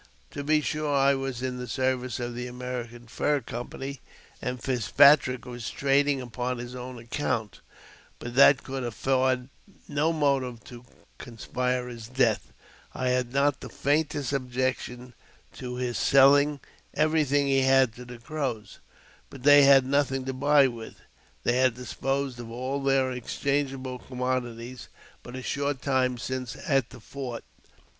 To be sure, I was in the service of the American Fur Company, and Fitzpatrick was trading upon his own account ; but that could afford no motive to conspire his death. I had not the faintest objection to his selhng everything he had to the 232 AUTOBIOGBAPHY OF Crows. But they had nothing to buy with ; they had dis «l pos€)^ of all their exchangeable commodities but a short time '" since at the fort.